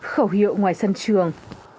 khẩu hiệu ngoài sân trường